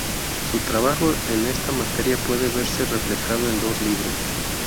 Su trabajo en esta materia puede verse reflejado en dos libros.